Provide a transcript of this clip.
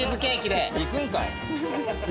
いくんかい。